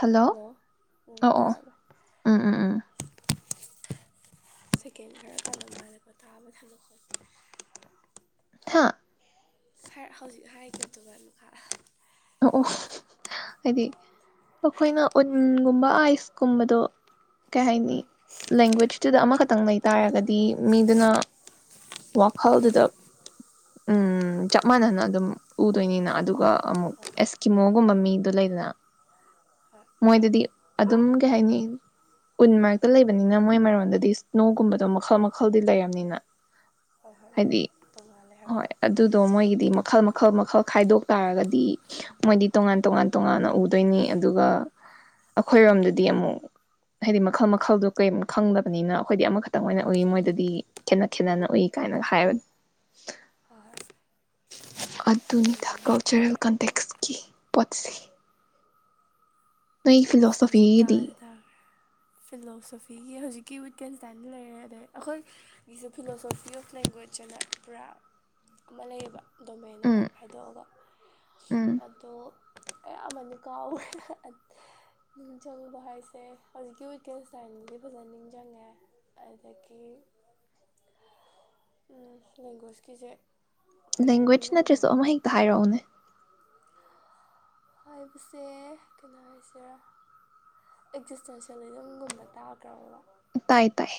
Hello ꯑꯣ ꯑꯣ ꯎꯝ ꯎꯝ ꯎꯝ ꯁꯀꯦꯟ ꯈꯔ [unintelligible] ꯍꯥ ꯁꯥꯔ ꯍꯧꯖꯤꯛ ꯍꯥꯏꯒꯗꯨꯒꯤ ꯃꯈꯥ ꯑꯣ ꯍꯥꯏꯗꯤ ꯑꯩꯈꯣꯏꯅ ꯎꯟꯒꯨꯝꯕ ꯑꯥꯏꯁꯀꯨꯝꯕꯗꯣ ꯀꯩ ꯍꯥꯏꯅꯤ ꯂꯦꯡꯒ꯭ꯋꯦꯖꯇꯨꯗ ꯑꯃꯈꯛꯇꯪ ꯂꯩ ꯇꯥꯔꯒꯗꯤ ꯃꯤꯗꯨꯅ ꯋꯥꯈꯜꯗꯨꯗ ꯆꯞ ꯃꯥꯟꯅꯅ ꯑꯗꯨꯝ ꯎꯗꯣꯏꯅꯤꯅ ꯑꯗꯨꯒ ꯑꯃꯨꯛ ꯑꯦꯁꯀꯤꯃꯣꯒꯨꯝꯕ ꯃꯤꯗꯨ ꯂꯩꯗꯅ ꯍꯣꯏ ꯃꯣꯏꯗꯨꯗꯤ ꯑꯗꯨꯝ ꯀꯩ ꯍꯥꯏꯅꯤ ꯎꯟ ꯃꯔꯛꯇ ꯂꯩꯕꯅꯤꯅ ꯃꯣꯏ ꯃꯔꯣꯟꯗꯗꯤ ꯏꯁꯅꯣꯒꯨꯝꯕꯗꯣ ꯃꯈꯜ ꯃꯈꯜꯗꯤ ꯂꯩꯔꯝꯅꯤꯅ ꯍꯣꯏ ꯍꯣꯏ ꯍꯥꯏꯗꯤ ꯇꯣꯡꯉꯥꯜꯂꯦ ꯍꯣꯏ ꯍꯥꯏꯕꯗꯣ ꯑꯗꯨꯗꯣ ꯃꯣꯏꯒꯤꯗꯤ ꯃꯈꯜ ꯃꯈꯜ ꯈꯛ ꯈꯥꯏꯗꯣꯛ ꯇꯥꯔꯒꯗꯤ ꯃꯣꯏꯗꯤ ꯇꯣꯉꯥꯟ ꯇꯣꯉꯥꯟ ꯇꯣꯉꯥꯟꯅ ꯎꯗꯣꯏꯅꯤ ꯑꯗꯨꯒ ꯑꯩꯈꯣꯏꯔꯣꯝꯗꯗꯤ ꯑꯃꯨꯛ ꯍꯥꯏꯗꯤ ꯃꯈꯜ ꯃꯈꯜꯗꯣ ꯀꯩ ꯈꯪꯗꯕꯅꯤꯅ ꯑꯩꯈꯣꯏꯗꯤ ꯑꯃꯈꯛꯇꯪ ꯑꯣꯏꯅ ꯎꯏ ꯃꯣꯏꯗꯗꯤ ꯈꯦꯠꯅ ꯈꯦꯠꯅꯅ ꯎꯏ ꯀꯥꯏꯅ ꯍꯥꯏꯕꯅꯤ [inaudible] ꯑꯗꯨꯅꯤꯇꯥ ꯑꯗꯨꯗꯨꯒꯤ ꯀꯜꯆꯔꯦꯜ ꯀꯟꯇꯦꯛꯁꯀꯤ ꯄꯣꯠꯁꯤ ꯆꯣꯝꯁꯀꯤꯁꯦ ꯇꯥꯗꯤ ꯇꯥꯈ꯭ꯔꯦ ꯐꯤꯂꯣꯁꯣꯐꯤꯒꯤ ꯍꯧꯖꯤꯛꯀꯤ ꯋꯤꯀꯦꯟꯁꯇꯥꯏꯅ ꯂꯩꯔꯦ ꯑꯗꯩ ꯑꯩꯈꯣꯏꯒꯤꯁꯨ ꯐꯤꯂꯣꯁꯣꯐꯤ ꯑꯣꯐ ꯂꯦꯡꯒ꯭ꯋꯦꯖ ꯑꯅ ꯄꯨꯔꯥ ꯑꯃ ꯂꯩꯌꯦꯕ ꯗꯣꯃꯦꯟ ꯑꯃ ꯎꯝ ꯍꯥꯏꯗꯣꯛꯑꯒ ꯎꯝ ꯑꯗꯣ ꯑꯌꯥꯝꯕꯅ ꯀꯥꯎꯈꯔ꯭ꯦ ꯅꯤꯡꯁꯤꯡꯕ ꯍꯥꯏꯁꯦ ꯍꯧꯖꯤꯛꯀꯤ ꯋꯤꯀꯦꯟꯁꯇꯥꯏꯟꯗꯤ ꯐꯖꯅ ꯅꯤꯡꯁꯤꯡꯉꯦ ꯑꯗꯒꯤ ꯂꯦꯡꯒ꯭ꯋꯦꯁꯀꯤꯁꯦ ꯐꯖꯅ ꯂꯦꯡꯒ꯭ꯋꯦꯖ ꯅꯤꯡꯁꯤꯡꯗ꯭ꯔꯦ ꯅꯠꯇ꯭ꯔꯁꯨ ꯑꯃ ꯍꯦꯛꯇ ꯍꯥꯏꯔꯛꯎꯅꯦ ꯍꯥꯏꯕꯁꯦ ꯀꯩꯅꯣ ꯍꯥꯏꯁꯤꯔꯥ ꯑꯦꯛꯖꯤꯁꯇꯦꯟꯁ ꯁꯥꯕꯦꯟꯒꯨꯝꯕ ꯇꯥꯈ꯭ꯔꯕ ꯇꯥꯏ ꯇꯥꯏ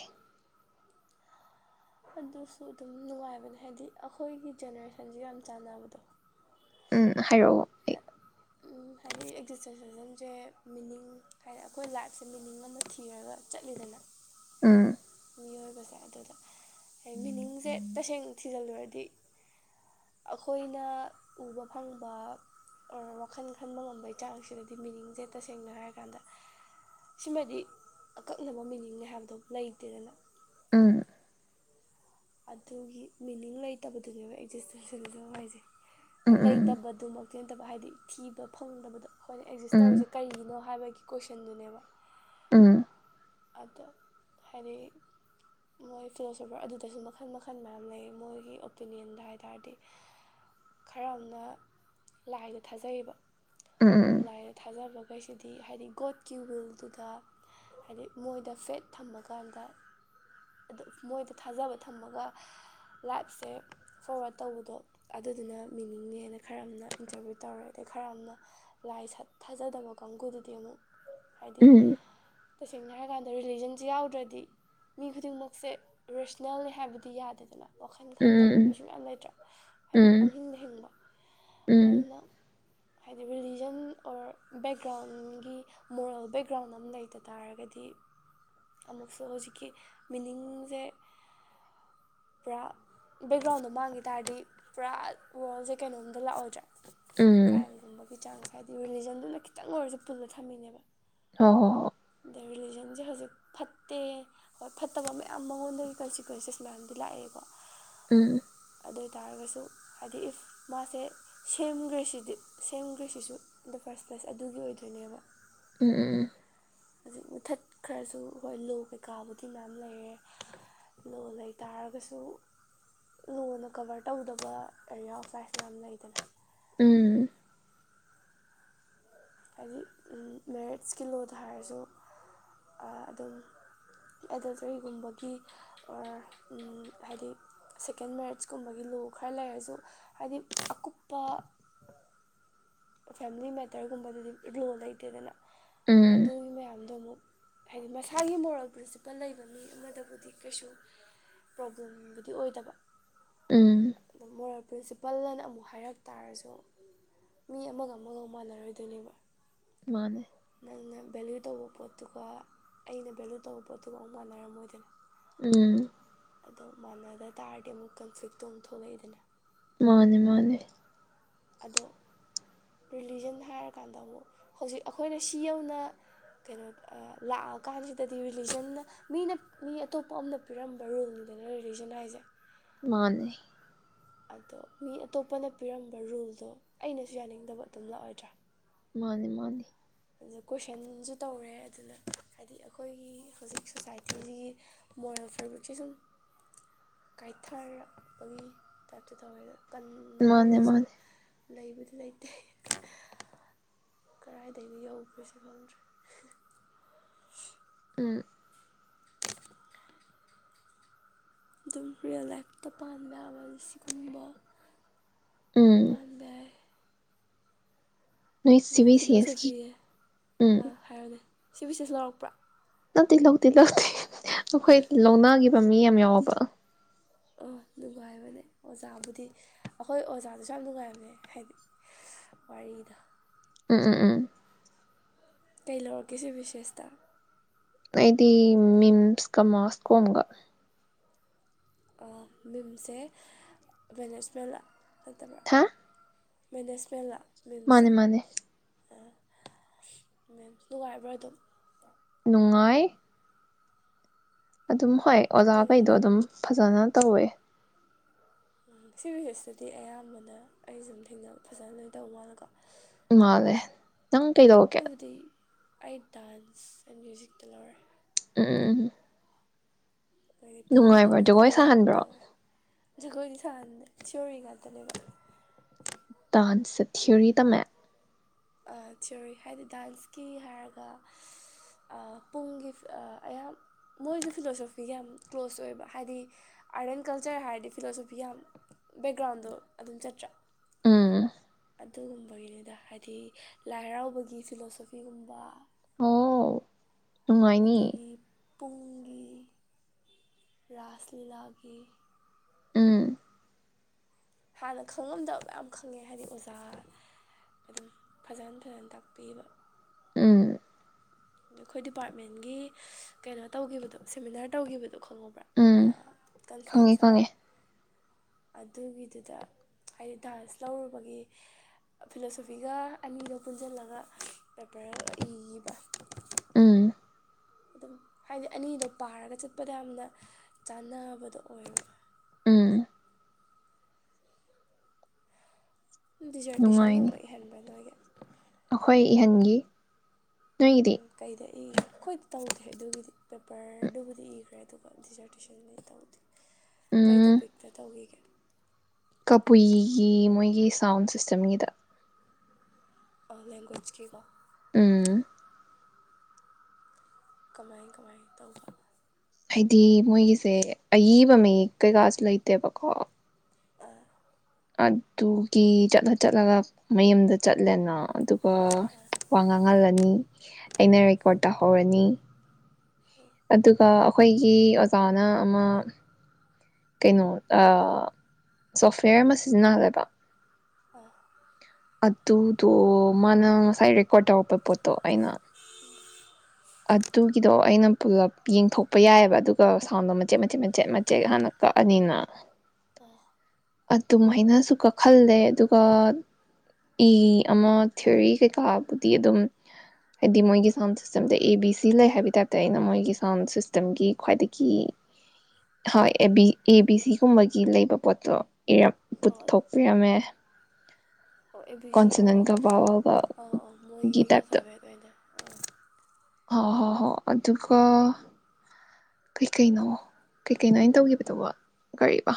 ꯑꯗꯨꯁꯨ ꯑꯗꯨꯝ ꯅꯨꯡꯉꯥꯏꯕꯅꯦ ꯍꯥꯏꯕꯗꯤ ꯑꯩꯈꯣꯏꯒꯤ ꯖꯦꯅꯦꯔꯦꯁꯟꯁ ꯌꯥꯝ ꯆꯥꯟꯅꯕꯗꯣ ꯎꯝ ꯍꯥꯏꯔꯛꯑꯣ ꯑꯩ ꯍꯥꯏꯗꯤ ꯑꯦꯛꯖꯤꯁꯇ꯭ꯔꯦꯁꯦꯁꯟꯁꯦ ꯃꯤꯅꯤꯡ ꯍꯥꯏꯗꯤ ꯑꯩꯈꯣꯏ ꯂꯥꯏꯐꯁꯦ ꯃꯤꯅꯤꯡ ꯑꯃ ꯊꯤꯔꯒ ꯆꯠꯂꯤꯗꯅ ꯎꯝ ꯃꯤꯑꯣꯏꯕꯁꯦ ꯑꯗꯨꯗ ꯃꯤꯅꯤꯡꯁꯦ ꯇꯁꯦꯡꯅ ꯊꯤꯖꯤꯜꯂꯨꯔꯗꯤ ꯑꯩꯈꯣꯏꯅ ꯎꯕ ꯐꯪꯕ ꯑꯣꯔ ꯋꯥꯈꯜ ꯈꯟꯕ ꯉꯝꯕꯩ ꯆꯥꯡꯁꯤꯗꯗꯤ ꯃꯤꯅꯤꯡꯁꯦ ꯇꯁꯦꯡꯅ ꯍꯥꯏꯔꯀꯥꯟꯗ ꯁꯤꯃꯗꯤ ꯑꯀꯛꯅꯕ ꯃꯤꯅꯤꯡꯅꯦ ꯍꯥꯏꯕꯗꯣ ꯂꯩꯇꯦꯗꯅ ꯎꯝ ꯑꯗꯨꯒꯤ ꯃꯤꯅꯤꯡ ꯂꯩꯇꯕꯗꯨꯅꯦꯕ ꯑꯦꯛꯖꯤꯁꯇꯦꯟꯁ ꯍꯥꯏꯁꯦ ꯎꯝ ꯎꯝ ꯂꯩꯇꯕꯗꯨꯃꯛ ꯈꯦꯟꯇꯕ ꯍꯥꯏꯗꯤ ꯊꯤꯕ ꯐꯪꯗꯕꯗꯣ ꯑꯩꯈꯣꯏꯅ ꯑꯦꯛꯖꯤꯁ ꯇꯧꯔꯤꯁꯦ ꯎꯝ ꯀꯔꯤꯅꯣ ꯍꯥꯏꯕꯒꯤ ꯀꯣꯏꯁꯟꯗꯨꯅꯦꯕ ꯎꯝ ꯑꯗꯣ ꯍꯥꯏꯗꯤ ꯃꯣꯏ ꯐꯤꯂꯣꯁꯣꯐꯔ ꯑꯗꯨꯗꯁꯨ ꯃꯈꯜ ꯃꯈꯜ ꯃꯌꯥꯝ ꯂꯩꯌꯦ ꯃꯣꯏꯒꯤ ꯑꯣꯄꯤꯅꯤꯌꯟꯗ ꯍꯥꯏ ꯇꯥꯔꯗꯤ ꯈꯔ ꯑꯃꯅ ꯂꯥꯏꯗ ꯊꯥꯖꯩꯕ ꯎꯝ ꯂꯥꯏꯗ ꯊꯥꯖꯕ ꯑꯩꯈꯣꯏꯁꯤꯗꯤ ꯍꯥꯏꯗꯤ ꯒꯣꯠꯀꯤ ꯋꯤꯜꯗꯨꯗ ꯍꯥꯏꯗꯤ ꯃꯣꯏꯗ ꯐꯦꯠ ꯊꯝꯃꯀꯥꯟꯗ ꯑ ꯃꯣꯏꯗ ꯊꯥꯖꯕ ꯊꯝꯃꯒ ꯂꯥꯏꯞꯁꯦ ꯐꯣꯔꯋꯥꯠ ꯇꯧꯕꯗꯣ ꯑꯗꯨꯗꯨꯅ ꯃꯤꯅꯤꯡꯅꯦ ꯍꯥꯏꯅ ꯈꯔ ꯑꯃꯅ ꯏꯟꯇꯔꯕ꯭ꯌꯨꯠ ꯇꯧꯔꯦ ꯑꯗꯩ ꯈꯔ ꯑꯃꯅ ꯂꯥꯏ ꯊꯥꯖꯗꯕ ꯀꯥꯡꯕꯨꯗꯨꯗꯤ ꯑꯃꯨꯛ ꯍꯥꯏꯗꯤ ꯎꯝ ꯇꯁꯦꯡꯅ ꯍꯥꯏꯔꯀꯥꯟꯗ ꯔꯤꯂꯤꯖꯟꯁꯦ ꯌꯥꯎꯗ꯭ꯔꯗꯤ ꯃꯤ ꯈꯨꯗꯤꯡꯃꯛꯁꯦ ꯔꯦꯁꯅꯦꯜꯅꯤ ꯍꯥꯏꯕꯗꯤ ꯌꯥꯗꯦꯗꯅ ꯋꯥꯈꯟ ꯈꯟꯗꯕ ꯎꯝ ꯃꯤꯁꯨ ꯃꯌꯥꯝ ꯂꯩꯇ꯭ꯔꯥ ꯍꯥꯏꯗꯤ ꯎꯝ ꯄꯥꯡꯍꯤꯡꯗ ꯍꯤꯡꯕ ꯎꯝ ꯑꯗꯨꯅ ꯍꯥꯏꯗꯤ ꯔꯤꯂꯤꯖꯟ ꯑꯣꯔ ꯕꯦꯛꯒ꯭ꯔꯥꯎꯟꯒꯤ ꯃꯣꯔꯦꯜ ꯕꯦꯛꯒ꯭ꯔꯥꯎꯟ ꯑꯃ ꯂꯩꯇꯅ ꯇꯥꯔꯒꯗꯤ ꯑꯃꯨꯛꯁꯨ ꯍꯧꯖꯤꯛꯀꯤ ꯃꯤꯅꯤꯡꯁꯦ ꯄꯨꯔꯥ ꯕꯦꯛꯒ꯭ꯔꯥꯎꯟꯗꯣ ꯃꯥꯡꯈꯤ ꯇꯥꯔꯗꯤ ꯄꯨꯔꯥ ꯋꯥꯔꯜꯁꯦ ꯀꯩꯅꯣꯝꯗ ꯂꯥꯛꯑꯣꯏꯗ꯭ꯔꯦ ꯎꯝ ꯀ꯭ꯔꯥꯏꯝꯒꯨꯝꯕꯒꯤ ꯆꯥꯡ ꯍꯥꯏꯗꯤ ꯔꯤꯂꯤꯖꯟꯗꯨꯅ ꯈꯤꯇꯪ ꯑꯣꯏꯔꯁꯨ ꯄꯨꯜꯂ ꯊꯝꯃꯤꯅꯦꯕ ꯍꯣꯍꯣꯍꯣ ꯑꯗ ꯔꯤꯂꯤꯖꯟꯁꯦ ꯍꯧꯖꯤꯛ ꯐꯠꯇꯦ ꯍꯣꯏ ꯐꯠꯇꯕ ꯃꯌꯥꯝ ꯃꯉꯣꯟꯗꯒꯤ ꯀꯟꯁꯤꯀ꯭ꯋꯦꯟꯁꯦꯁ ꯃꯌꯥꯝꯁꯦ ꯂꯥꯛꯑꯦꯕ ꯎꯝ ꯑꯗꯨ ꯑꯣꯏꯇꯥꯔꯒꯁꯨ ꯍꯥꯏꯗꯤ ꯏꯐ ꯃꯥꯁꯦ ꯁꯦꯝꯈ꯭ꯔꯦ ꯁꯤꯗꯤ ꯁꯦꯝꯈ꯭ꯔꯦꯁꯤꯁꯨ ꯑꯗꯣ ꯐꯥꯔꯁ ꯄ꯭ꯂꯁ ꯑꯗꯨꯒꯤ ꯑꯣꯏꯗꯣꯏꯅꯦꯕ ꯎꯝ ꯍꯧꯖꯤꯛ ꯃꯦꯊꯠ ꯈꯔꯁꯨ ꯍꯣꯏ ꯂꯣ ꯀꯩꯀꯥꯕꯨꯗꯤ ꯃꯌꯥꯝ ꯂꯩꯔꯦ ꯂꯣ ꯂꯩ ꯇꯥꯔꯒꯁꯨ ꯂꯣꯅ ꯀꯕꯔ ꯇꯧꯗꯕ ꯑꯦꯔꯤꯌꯥ ꯑꯣꯐꯥꯏꯁ ꯃꯌꯥꯝ ꯂꯩꯗꯅ ꯎꯝ ꯍꯥꯏꯗꯤ ꯃꯦꯔꯤꯠꯁꯀꯤ ꯂꯣꯗ ꯍꯥꯏꯔꯁꯨ ꯑꯗꯨꯝ ꯑꯦꯗꯜꯇꯔꯤꯒꯨꯝꯕꯒꯤ ꯑꯣꯔ ꯍꯥꯏꯗꯤ ꯁꯦꯀꯦꯟ ꯃꯦꯔꯤꯠꯁꯀꯨꯝꯕꯒꯤ ꯂꯣ ꯈꯔ ꯂꯩꯔꯁꯨ ꯍꯥꯏꯗꯤ ꯑꯀꯨꯞꯄ ꯐꯦꯃꯤꯂꯤ ꯃꯦꯇꯔꯒꯨꯝꯕꯗꯗꯤ ꯂꯣ ꯂꯩꯇꯦꯗꯅ ꯎꯝ ꯑꯗꯨꯒꯤ ꯃꯌꯥꯝꯗꯣ ꯑꯃꯨꯛ ꯍꯥꯏꯗꯤ ꯃꯁꯥꯒꯤ ꯃꯣꯔꯦꯜ ꯄ꯭ꯔꯤꯟꯁꯤꯄꯜ ꯂꯩꯕ ꯃꯤ ꯑꯃꯗꯕꯨꯗꯤ ꯀꯩꯁꯨ ꯄ꯭ꯔꯣꯕ꯭ꯂꯦꯝꯕꯨꯗꯤ ꯑꯣꯏꯗꯕ ꯎꯝ ꯑꯗ ꯃꯣꯔꯦꯜ ꯄ꯭ꯔꯤꯟꯁꯤꯄꯜꯅ ꯑꯃꯨꯛ ꯍꯥꯏꯔꯛ ꯇꯥꯔꯁꯨ ꯃꯤ ꯑꯃꯒ ꯑꯃꯒ ꯃꯥꯟꯅꯔꯣꯏꯗꯣꯏꯅꯦꯕ ꯃꯥꯅꯦ ꯅꯪ ꯕꯂ ꯚ ꯇꯧꯕ ꯄꯣꯠꯇꯨꯒ ꯑꯩꯅ ꯚꯦꯂꯨ ꯇꯧꯕ ꯄꯣꯠꯇꯨꯒ ꯑꯃꯨꯛ ꯃꯥꯟꯅꯔꯝꯃꯣꯏꯗꯅ ꯎꯝ ꯑꯗꯣ ꯃꯥꯟꯅꯗ ꯇꯥꯔꯗꯤ ꯑꯃꯨꯛ ꯀꯟꯐ꯭ꯂꯤꯛꯇꯣ ꯑꯃꯨꯛ ꯊꯣꯛꯂꯛꯏꯗꯅ ꯃꯥꯅꯦ ꯃꯥꯅꯦ ꯑꯗꯣ ꯔꯤꯂꯤꯖꯟ ꯍꯥꯏꯔꯀꯥꯟꯗ ꯑꯃꯨꯛ ꯍꯧꯖꯤꯛ ꯑꯩꯈꯣꯏꯅ ꯁꯤ ꯌꯧꯅ ꯀꯩꯅꯣ ꯂꯥꯛꯑꯀꯥꯟꯁꯤꯗꯗꯤ ꯔꯤꯂꯤꯖꯟꯅ ꯃꯤꯅ ꯃꯤ ꯑꯇꯣꯞꯄ ꯑꯃꯅ ꯄꯤꯔꯝꯕ ꯔꯣꯜꯅꯤꯗꯅ ꯔꯤꯂꯤꯖꯟ ꯍꯥꯏꯁꯦ ꯃꯥꯅꯦ ꯑꯗꯣ ꯃꯤ ꯑꯇꯣꯞꯄꯅ ꯄꯤꯔꯝꯕ ꯔꯨꯜꯗꯣ ꯑꯩꯅꯁꯨ ꯌꯥꯅꯤꯡꯗꯕ ꯑꯗꯨꯝ ꯂꯥꯛꯑꯣꯏꯗ꯭ꯔꯥ ꯃꯥꯅꯤ ꯃꯥꯅꯤ ꯑꯗꯨꯗ ꯀꯣꯏꯁꯟꯁꯨ ꯇꯧꯔꯦ ꯑꯗꯨꯅ ꯍꯥꯏꯗꯤ ꯑꯩꯈꯣꯏꯒꯤ ꯍꯧꯖꯤꯛ ꯁꯣꯁꯥꯏꯇꯤꯁꯤꯒꯤ ꯃꯣꯔꯦꯜ ꯐꯦꯕ꯭ꯔꯤꯛꯁꯦ ꯁꯨꯝ ꯀꯥꯏꯊꯔꯛꯄꯒꯤ ꯇꯥꯏꯞꯇꯣ ꯇꯧꯋꯦ ꯑꯗ ꯃꯥꯅꯦ ꯃꯥꯅꯦ ꯂꯩꯕꯨꯗꯤ ꯂꯩꯇꯦ ꯀ ꯇꯩꯅꯤ ꯍꯧꯕ ꯀꯁ ꯈꯜꯗ [inaudible] ꯎꯝ ꯑꯗꯨꯝ ꯄꯔꯤꯌꯜ ꯂꯥꯏꯐꯇ ꯄꯥꯒꯕ ꯁꯤꯒꯨꯝꯕ ꯎꯝ ꯄꯥꯟꯕꯦ ꯅꯣꯏ ꯁꯤ ꯑꯗꯩ ꯕꯤ ꯁꯤ ꯑꯦꯁꯀꯤ ꯐꯤꯂꯣꯁꯣꯐꯤ ꯎꯝ ꯍꯥꯏꯔꯅꯦ ꯁꯤꯕꯨꯕꯁꯤꯁꯨ ꯂꯧꯔꯛꯄ꯭ꯔꯥ ꯂꯧꯇ ꯂꯧꯇꯤ ꯂꯧꯇ ꯑꯩꯈꯣꯏ ꯂꯧꯅꯥꯒꯤ ꯃꯤ ꯌꯥꯝ ꯌꯥꯎꯕ ꯑꯥ ꯅꯨꯡꯉꯥꯏꯕꯅꯦ ꯑꯣꯖꯥꯕꯨꯗꯤ ꯑꯩꯈꯣꯏ ꯑꯣꯖꯥꯗꯨꯁꯨ ꯌꯥꯝ ꯅꯨꯡꯉꯥꯏꯕꯅꯦ ꯍꯥꯏꯗꯤ ꯋꯥꯔꯤꯗꯣ ꯎꯝ ꯎꯝ ꯎꯝ ꯀꯩ ꯂꯧꯔꯒꯦꯁꯨ ꯕꯤꯁꯦꯁꯇ ꯑꯩꯗꯤ ꯃꯤꯝꯁꯀ ꯃꯥꯁꯀꯣꯝꯒ ꯃꯤꯨꯝꯁꯦ ꯃꯦꯅꯦꯖꯃꯦꯟꯂ ꯂꯩꯇꯕ꯭ꯔ ꯍꯥ ꯃꯦꯅꯦꯖꯃꯦꯟꯂ ꯃꯥꯅꯦ ꯃꯥꯅꯦ ꯃꯦꯝꯁꯨ ꯅꯨꯡꯉꯥꯏꯕ꯭ꯔꯥ ꯑꯗꯨꯝ ꯅꯨꯡꯉꯥꯏ ꯑꯗꯨꯝ ꯍꯣꯏ ꯑꯩꯈꯣꯏ ꯑꯣꯖꯥꯈꯩꯗꯣ ꯑꯗꯨꯝ ꯐꯖꯅ ꯇꯋꯏꯦ ꯁꯤ ꯚꯚꯦꯁꯇꯗꯤ ꯑꯌꯥꯝꯕꯅ ꯑꯩ ꯁꯨꯝ ꯊꯦꯡꯅ ꯐꯖꯅ ꯂꯣꯏꯅ ꯇꯧꯕ ꯃꯥꯂꯦꯀꯣ ꯗꯦ ꯅꯪ ꯀꯩꯗꯧꯀꯦ ꯑꯗꯨꯕꯨꯗꯤ ꯑꯩ ꯗꯥꯟꯁ ꯑꯦꯟ ꯃ꯭ꯌꯨꯖꯤꯛꯇ ꯂꯧꯔꯦ ꯎꯝ ꯎꯝ ꯑꯗꯤ ꯐꯣꯝ ꯅꯨꯡꯉꯥꯏꯕ꯭ꯔꯣ ꯖꯒꯣꯏ ꯐꯪꯅꯗꯕꯒꯤ ꯁꯥꯍꯟꯕ꯭ꯔꯣ ꯇꯧꯋꯦ ꯖꯒꯣꯏꯗꯤ ꯁꯥꯗ ꯁꯤꯌꯣꯔꯤ ꯉꯥꯛꯇꯅꯦꯕ ꯇꯥꯟ ꯁꯦ ꯊꯤꯌꯔꯤ ꯇꯝꯃꯦ ꯊꯤꯑꯣꯣꯔꯤ ꯍꯥꯏꯗꯤ ꯗꯥꯟꯁꯀꯤ ꯍꯥꯏꯔꯒ ꯄꯨꯡꯒꯤ ꯑꯌꯥꯝ ꯃꯣꯏꯁꯨ ꯐꯤꯂꯣꯁꯣꯐꯤ ꯌꯥꯝ ꯀ꯭ꯂꯣꯁ ꯑꯣꯏꯕ ꯍꯥꯏꯗꯤ ꯑꯥꯔꯠ ꯑꯦꯟ ꯀꯜꯆꯔ ꯍꯥꯏꯔꯗꯤ ꯐꯤꯂꯣꯁꯣꯐꯤ ꯌꯥꯝ ꯕꯦꯛꯒ꯭ꯔꯥꯎꯟꯗꯣ ꯑꯗꯨꯝ ꯆꯠꯇ꯭ꯔꯥ ꯑ ꯑꯗꯨꯒꯨꯝꯕꯒꯤꯅꯤꯗ ꯍꯥꯏꯗꯤ ꯂꯥꯏ ꯍꯔꯥꯎꯕꯒꯤ ꯐꯤꯂꯣꯁꯣꯐꯤꯒꯨꯝꯕ ꯋꯥꯥꯎ ꯅꯨꯡꯉꯥꯏꯅꯤ ꯑꯗꯒꯤ ꯄꯨꯡꯒꯤ ꯔꯥꯁ ꯂꯤꯂꯥꯒꯤ ꯎꯝ ꯍꯥꯟꯅ ꯈꯪꯉꯝꯗꯕ ꯃꯌꯥꯝ ꯈꯪꯉꯦ ꯍꯥꯏꯗꯤ ꯑꯣꯖꯥ ꯑꯗꯨꯝ ꯐꯖꯅ ꯐꯖꯅ ꯇꯥꯛꯄꯤꯕ ꯎꯝ ꯑꯩꯈꯣꯏ ꯗꯤꯄꯥꯔꯠꯃꯦꯟꯒꯤ ꯀꯩꯅꯣ ꯇꯧꯈꯤꯕꯗꯣ ꯁꯦꯃꯤꯅꯥꯔ ꯇꯧꯈꯤꯕꯗꯣ ꯈꯪꯉꯕ꯭ꯔꯥ ꯎꯝ ꯈꯪꯉꯦ ꯀꯟꯐ꯭ꯔꯦꯟꯁ ꯑꯃ ꯈꯪꯉꯦ ꯑꯗꯨꯒꯤꯗꯨꯗ ꯍꯥꯏꯗꯤ ꯗꯥꯟꯁ ꯂꯧꯔꯨꯕꯒꯤ ꯐꯤꯂꯣꯁꯣꯐꯤꯒ ꯑꯅꯤꯗꯣ ꯄꯨꯟꯁꯤꯜꯂꯒ ꯄꯦꯄꯔ ꯑꯃ ꯏꯈꯤꯕ ꯎꯝ ꯑꯗꯨꯝ ꯍꯥꯏꯗꯤ ꯑꯅꯤꯗꯣ ꯄꯥꯔꯒ ꯆꯠꯄꯗ ꯌꯥꯝꯅ ꯆꯥꯟꯅꯕꯗꯣ ꯑꯣꯏꯌꯦꯕ ꯎꯝ ꯅꯨꯡꯉꯥꯏꯅꯤ ꯗꯤꯖꯔꯇꯦꯁꯟꯒꯨꯝꯕ ꯏꯍꯟꯕ ꯅꯣꯏꯒꯤ ꯑꯩꯈꯣꯏ ꯏꯍꯟꯒꯤ ꯅꯣꯏꯒꯤꯗꯤ ꯎꯝ ꯀꯩꯗ ꯏꯈ꯭ꯔꯦ ꯑꯩꯈꯣꯏꯗꯤ ꯇꯧꯗꯦ ꯑꯗꯨꯒꯤꯗꯤ ꯄꯦꯄꯔꯗꯨꯕꯨꯗꯤ ꯏꯈ꯭ꯔꯦ ꯑꯗꯨꯒ ꯗꯤꯖꯔꯇꯦꯁꯟꯅ ꯑꯩ ꯇꯧꯗꯦ ꯀꯩ ꯇꯣꯄꯤꯛꯇ ꯇꯧꯈꯤꯒꯦ ꯀꯄꯏꯒꯤ ꯃꯣꯏꯒꯤ ꯁꯥꯎꯟ ꯁꯤꯁꯇꯦꯝꯒꯤꯗ ꯑꯣꯟ ꯂꯥꯏꯒ꯭ꯋꯦꯖꯀꯤꯀꯣ ꯎꯝ ꯀꯃꯥꯏ ꯀꯃꯥꯏ ꯇꯧꯕ ꯍꯥꯏꯗꯤ ꯃꯣꯏꯒꯤꯁꯦ ꯑꯏꯕ ꯃꯤꯌꯦꯛ ꯀꯩꯀꯥꯁꯨ ꯂꯩꯇꯦꯕꯀꯣ ꯑꯗꯨꯒꯤ ꯆꯠꯂ ꯆꯠꯂꯒ ꯃꯌꯨꯝꯗ ꯆꯠꯂꯦꯅ ꯑꯗꯨꯒ ꯋꯥ ꯉꯥꯡꯍꯜꯂꯅꯤ ꯑꯩꯅ ꯔꯦꯀꯣꯔꯠ ꯇꯥꯍꯧꯔꯅꯤ ꯑꯗꯨꯒ ꯑꯩꯈꯣꯏꯒꯤ ꯑꯣꯖꯥꯅ ꯑꯃ ꯀꯩꯅꯣ ꯑꯥ ꯁꯣꯐꯋꯦꯔ ꯑꯃ ꯁꯤꯖꯤꯟꯅꯍꯜꯂꯦꯕ ꯑꯣ ꯑꯗꯨꯗꯣ ꯃꯥꯅ ꯉꯁꯥꯏ ꯔꯦꯀꯣꯔꯠ ꯇꯧꯔꯛꯄ ꯄꯣꯠꯇꯣ ꯑꯩꯅ ꯑꯗꯨꯒꯤꯗꯣ ꯑꯩꯅ ꯄꯨꯂꯞ ꯌꯦꯡꯊꯣꯛꯄ ꯌꯥꯏꯑꯕ ꯑꯗꯨꯒ ꯁꯥꯎꯟꯗꯣ ꯃꯆꯦꯠ ꯃꯆꯦꯠ ꯃꯆꯦꯠ ꯃꯆꯦꯠ ꯍꯥꯟꯅ ꯀꯛꯑꯅꯤꯅ ꯑꯗꯨꯃꯥꯏꯅꯁꯨ ꯀꯛꯍꯜꯂꯦ ꯑꯗꯨꯒ ꯏ ꯑꯃ ꯊꯤꯑꯣꯔꯤ ꯀꯩꯀꯥꯕꯨꯗꯤ ꯑꯗꯨꯝ ꯍꯥꯏꯗꯤ ꯃꯣꯏꯒꯤ ꯁꯥꯎꯟ ꯁꯤꯁꯇꯦꯝꯗ ꯑꯦ ꯕꯤ ꯁꯤ ꯂꯩ ꯍꯥꯏꯕ ꯇꯥꯔꯦ ꯑꯩꯅ ꯃꯣꯏꯒꯤ ꯁꯥꯎꯟ ꯁꯤꯁꯇꯦꯝꯒꯤ ꯈ꯭ꯋꯥꯏꯗꯒꯤ ꯍ ꯑꯦ ꯕꯤ ꯁꯤꯒꯨꯝꯕꯒꯤ ꯂꯩꯕ ꯄꯣꯠꯇꯣ ꯄꯨꯊꯣꯛꯄꯤꯔꯝꯃꯦ ꯑꯣ ꯑꯦ ꯕꯤ ꯁꯤ ꯑꯣ ꯑꯣ ꯀꯣꯟꯁꯅꯟꯒ ꯚꯥꯋꯜꯒꯒꯤ ꯑꯥꯎ ꯑꯧ ꯃꯣꯏꯒꯤ ꯑꯜꯐꯥꯚꯦꯠ ꯑꯣꯏꯅ ꯍꯣꯏ ꯍꯣꯏ ꯍꯣꯏ ꯑꯗꯨꯒ ꯀꯩꯀꯩꯅꯣ ꯀꯩꯀꯩꯅꯣ ꯑꯩꯅ ꯇꯧꯈꯤꯕꯗꯨꯕꯣ ꯀꯔꯤꯕ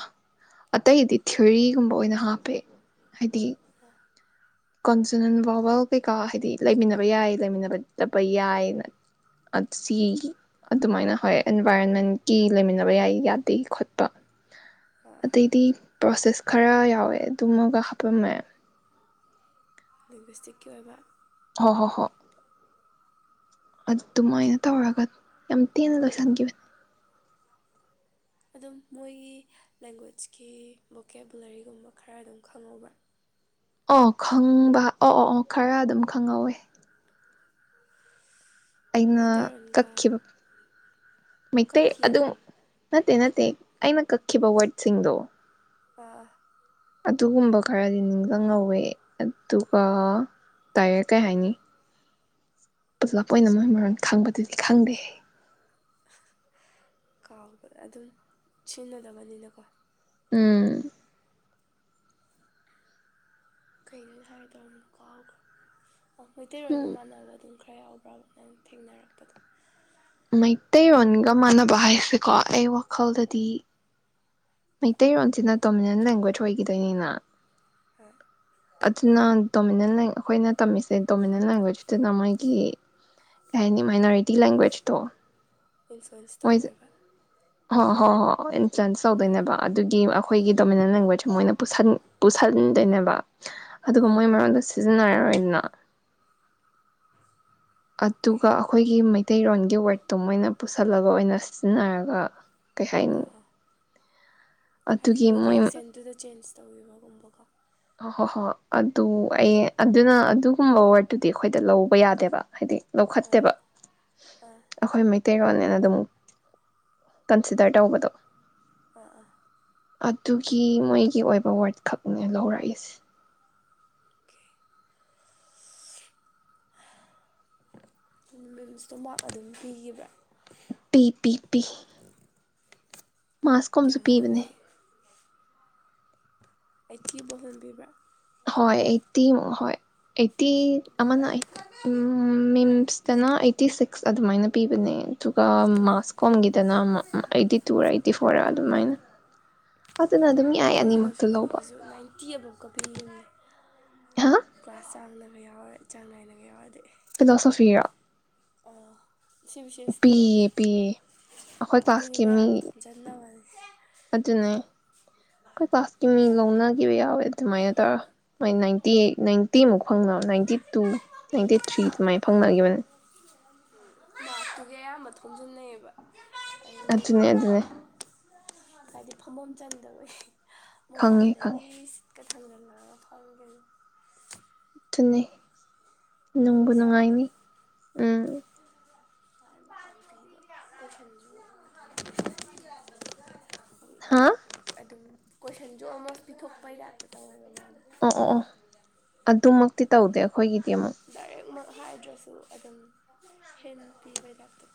ꯑꯇꯩꯗꯤ ꯊꯦꯑꯣꯔꯤꯒꯨꯝꯕ ꯑꯣꯏꯅ ꯍꯥꯞꯄꯦ ꯍꯥꯏꯗꯤ ꯀꯣꯟꯁꯅꯦꯟ ꯚꯋꯜ ꯀꯩꯀꯥ ꯍꯥꯏꯗꯤ ꯂꯩꯃꯤꯟꯅꯕ ꯌꯥꯏ ꯂꯩꯃꯤꯟꯅꯗꯕ ꯌꯥꯏ ꯑꯁꯤ ꯑꯗꯨꯃꯥꯏꯅ ꯍꯣꯏ ꯑꯦꯟꯚꯥꯏꯔꯣꯟꯃꯦꯟꯀꯤ ꯂꯩꯃꯤꯟꯅꯕ ꯌꯥꯏ ꯌꯥꯗꯦ ꯈꯣꯠꯄ ꯑꯗꯩꯗꯤ ꯄ꯭ꯔꯣꯁꯦꯁ ꯈꯔ ꯌꯥꯎꯋꯦ ꯑꯗꯨꯃꯒ ꯍꯥꯄꯝꯃꯦ ꯂꯦꯡꯒ꯭ꯋꯤꯁꯇꯤꯛꯀꯤ ꯑꯣꯏꯕ ꯍꯣ ꯍꯣ ꯍꯣ ꯑꯗꯨꯃꯥꯏꯅ ꯇꯧꯔꯒ ꯌꯥꯝ ꯊꯤꯅ ꯂꯣꯏꯁꯟꯈꯤꯕ ꯑꯗꯨꯝ ꯃꯣꯏꯒꯤ ꯂꯦꯡꯒ꯭ꯋꯦꯖꯀꯤ ꯚꯣꯀꯦꯕꯨꯂꯔꯤꯒꯨꯝꯕ ꯈꯔ ꯑꯗꯨꯝ ꯈꯪꯍꯧꯕ꯭ꯔꯥ ꯑꯣ ꯈꯪꯕ ꯑꯣ ꯑꯣ ꯑꯣ ꯈꯔ ꯑꯗꯨꯝ ꯈꯪꯍꯧꯋꯦ ꯑꯩꯅ ꯃꯩꯇꯩꯔꯣꯟꯒ ꯀꯛꯈꯤꯕ ꯃꯩꯇꯩ ꯀꯛꯈꯤ ꯑꯗꯨꯝ ꯅꯠꯇꯦ ꯅꯠꯇꯦ ꯑꯩꯅ ꯀꯛꯈꯤꯕ ꯋꯔꯗꯁꯤꯡꯗꯣ ꯑ ꯑꯗꯨꯒꯨꯝꯕ ꯈꯔꯗꯤ ꯅꯤꯡꯁꯤꯡꯍꯧꯋꯦ ꯑꯗꯨꯒ ꯗꯥꯏꯔꯦꯛ ꯀꯩ ꯍꯥꯏꯅꯤ ꯄꯨꯂꯞ ꯑꯣꯏꯅ ꯃꯣꯏ ꯃꯔꯣꯟ ꯈꯪꯕꯗꯨꯗꯤ ꯈꯪꯗꯦ ꯀꯥꯎꯕ ꯑꯗꯨꯝ ꯁꯤꯖꯤꯟꯅꯗꯕꯅꯤꯅꯀꯣ ꯎꯝ ꯀꯩꯅꯣ ꯑꯩꯅ ꯍꯥꯏꯒꯦ ꯇꯧꯔꯝꯕꯗꯣ ꯀꯥꯎꯈ꯭ꯔꯦ ꯑꯣ ꯃꯩꯇꯩꯔꯣꯟꯒ ꯃꯥꯟꯅꯕꯗꯤ ꯈꯔ ꯌꯥꯎꯕ꯭ꯔꯕ ꯅꯪ ꯊꯦꯡꯅꯔꯛꯄꯗꯣ ꯃꯩꯇꯩꯔꯣꯟꯒ ꯃꯥꯟꯅꯕ ꯍꯥꯏꯁꯦꯀꯣ ꯑꯩ ꯋꯥ ꯈꯜꯗꯗꯤ ꯃꯩꯇꯩꯔꯣꯟꯁꯤꯅ ꯗꯣꯃꯤꯅꯦꯟ ꯂꯦꯡꯒꯨꯋꯦꯖ ꯑꯣꯏ ꯏꯗꯅꯤꯅ ꯍꯣꯏ ꯑꯗꯨꯅ ꯗꯣꯃꯤꯅꯦꯟ ꯑꯩꯈꯣꯏꯅ ꯇꯝꯃꯤꯁꯦ ꯗꯣꯃꯤꯅꯦꯟ ꯂꯦꯡꯒ꯭ꯋꯦꯖꯇꯨꯅ ꯃꯣꯏꯒꯤ ꯀꯩ ꯍꯥꯏꯅꯤ ꯃꯥꯏꯅꯔꯤ ꯇꯤ ꯂꯦꯡꯒꯋꯦꯖꯇꯣ ꯋꯤꯜꯁ ꯋꯤꯜꯁ ꯃꯣꯏꯁꯦ ꯇꯧꯋꯦꯕ ꯍꯣ ꯍꯣ ꯍꯣ ꯆꯦꯟꯁ ꯇꯧꯗꯣꯏꯅꯦꯕ ꯑꯗꯨꯒꯤ ꯑꯩꯈꯣꯏꯒꯤ ꯗꯣꯃꯤꯅꯦꯟ ꯂꯦꯡꯒ꯭ꯋꯦꯖ ꯃꯣꯏꯅ ꯄꯨꯁꯟ ꯄꯨꯁꯟꯗꯨꯏꯅꯦꯕ ꯑꯗꯨꯒ ꯃꯣꯏ ꯃꯔꯣꯟꯗ ꯁꯤꯖꯤꯅꯔꯣ ꯏꯅ ꯑꯗꯨꯒ ꯑꯩꯈꯣꯏꯒꯤ ꯃꯩꯇꯩꯔꯣꯟꯒꯤ ꯋꯔꯠꯇꯣ ꯃꯣꯏꯅ ꯄꯨꯁꯜꯂꯒ ꯑꯣꯏꯅ ꯁꯤꯖꯤꯟꯅꯔꯒ ꯀꯩ ꯍꯥꯏꯅꯤ ꯑꯥ ꯑꯥ ꯍꯥꯏꯗꯤ ꯑꯗꯨꯒꯤ ꯃꯣꯏꯒꯤ ꯃꯣꯏ ꯑꯦꯛꯁꯦꯟꯗꯨꯨꯗ ꯆꯦꯟꯖ ꯇꯧꯕꯤꯕꯒꯨꯝꯕꯀꯣ ꯍꯣꯏ ꯍꯣꯏ ꯑꯗꯨ ꯑꯩ ꯑꯗꯨꯅ ꯑꯗꯨꯒꯨꯝꯕ ꯋꯔꯠꯇꯨꯗꯤ ꯑꯩꯈꯣꯏꯗ ꯂꯧꯕ ꯌꯥꯗꯦꯕ ꯍꯥꯏꯗꯤ ꯂꯧꯈꯠꯇꯦꯕ ꯑꯥ ꯑꯣꯀꯦ. ꯑꯩꯈꯣꯏ ꯃꯩ ꯇꯦꯔꯣꯅꯦꯅ ꯑꯗꯨꯝ ꯀꯟꯁꯤꯗꯔ ꯇꯧꯕꯗꯣ ꯑ ꯑꯗꯨꯒꯤ ꯃꯣꯏꯒꯤ ꯑꯣꯏꯕ ꯋꯥꯔꯗ ꯈꯛꯅꯦ ꯂꯧꯔꯛꯏꯁꯦ ꯂꯤꯕꯤꯟꯁꯇꯣ ꯃꯥ ꯑꯗꯨꯝ ꯄꯤꯈꯤꯕ꯭ꯔꯥ ꯄꯤ ꯄꯤ ꯄꯤ ꯃꯥꯥꯛꯁꯀꯣꯝꯁꯨ ꯀꯌꯥꯃꯨꯛꯀ ꯄꯤꯕꯅꯦ ꯄꯤꯒꯦ ꯑꯀꯤꯕꯍꯟꯕꯤꯕ꯭ꯔ ꯍꯣꯏ ꯑꯩꯠꯇꯤꯃꯨꯛ ꯍꯣꯏ ꯑꯩꯠꯇꯤ ꯑꯥ ꯑꯃꯅ ꯃꯤꯝꯁꯇꯅ ꯑꯩꯠꯇꯤ ꯁꯤꯛꯁ ꯑꯗꯨꯃꯥꯏꯅ ꯄꯤꯕꯅꯦ ꯑꯗꯨꯒ ꯃꯥꯁ ꯀꯣꯝꯒꯤꯗꯅ ꯑꯩꯠꯇꯤ ꯇꯨꯔꯥ ꯑꯩꯠꯇꯤ ꯐꯣꯔꯔꯥ ꯑꯗꯨꯃꯥꯏꯅ ꯑꯗꯨꯅ ꯑꯗꯨꯝ ꯌꯥꯏ ꯑꯅꯤꯃꯛꯇꯨ ꯂꯧꯕ ꯇꯤ ꯑꯚꯥꯞꯀ ꯄꯤꯕꯅꯦ ꯍꯥ ꯀ꯭ꯂꯥꯁꯥꯡꯅ ꯈ ꯌꯥꯎꯔꯦ ꯆꯥꯡ ꯅꯥꯏꯅꯒ ꯌꯥꯎꯔꯗꯤ ꯐꯤꯂꯣꯁꯣꯐꯤꯔꯣ ꯑꯣ ꯁꯤ ꯕꯤ ꯁꯤ ꯑꯦꯁꯀꯤꯗꯣ ꯄꯤꯌꯦ ꯄꯤꯌꯦ ꯑꯣ ꯑꯩꯈꯣꯏ ꯑꯗꯨꯒꯤ ꯀ꯭ꯂꯥꯁꯀꯤ ꯃꯤ ꯃꯌꯥꯝ ꯊꯣꯝꯖꯤꯟꯅꯕꯅꯤ ꯑꯗꯨꯅꯦ ꯀ ꯆꯁ ꯀꯤꯃꯤ ꯂꯧꯅꯈꯤꯕ ꯌꯥꯎꯋꯦ ꯑꯗꯨꯃꯥꯏꯅ ꯀꯨꯠꯇ ꯃꯣꯏ ꯅꯥꯏꯟꯇꯤ ꯅꯥꯏꯟꯇꯤꯃꯨꯛ ꯐꯪꯅꯕ ꯅꯥꯏꯟꯇꯤ ꯇꯨ ꯅꯥꯏꯟꯇꯤ ꯊ꯭ꯔꯤ ꯑꯗꯨꯨꯃꯥꯏꯅ ꯐꯪꯅꯈꯤꯕꯅꯦ ꯂꯥꯛꯇꯨꯒꯤ ꯑꯌꯥꯝꯕ ꯊꯨꯝꯖꯤꯟꯅꯩꯌꯦꯕ ꯑꯗꯨꯅꯦ ꯑꯗꯨꯅꯦ ꯍꯥꯏꯗꯤ ꯐꯝꯐꯝ ꯆꯟꯗꯕꯩ ꯈꯪꯉꯦ ꯈꯪꯉꯦ ꯃꯣꯕꯥꯏꯜꯗꯒꯤ ꯀꯊꯪꯒ ꯐꯪꯒ ꯑꯅꯤ ꯅꯨꯡꯕꯨ ꯁꯥꯔꯗꯣ ꯅꯨꯡꯉꯥꯏꯅꯤ ꯎꯝ [inaudible] [inaudible] [inaudible] [inaudible] ꯍꯥꯥ ꯑꯗꯨꯝ ꯀꯣꯏꯁꯟꯁꯨ ꯑꯃ ꯄꯤꯊꯣꯛꯄ ꯌꯥꯗꯦ ꯇꯧꯔꯤꯅꯦ ꯑꯣ ꯑꯣ ꯑꯣ ꯑꯗꯨꯃꯛꯇꯤ ꯇꯧꯗꯦ ꯑꯩꯈꯣꯏꯒꯤꯗꯤ ꯑꯃꯨꯛ ꯗꯥꯏꯔꯦꯛꯃꯛ ꯍꯥꯏꯗ꯭ꯔꯁꯨ ꯑꯗꯨꯝ ꯍꯦꯟꯅ ꯄꯤꯕꯩ ꯇꯥꯏꯞꯇ